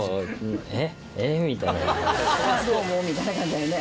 「どうも」みたいな感じだよね。